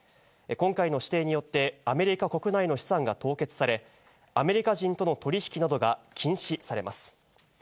今回の指定によって、アメリカ国内の資産が凍結され、アメリカ人との取り引きなどが禁止されます。